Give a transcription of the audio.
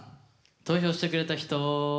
投票してくれた人。